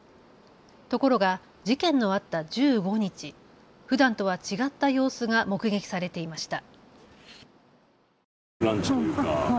ところが事件のあった１５日、ふだんとは違った様子が目撃されていました。